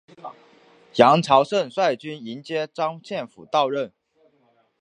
杨朝晟率军迎接张献甫到任。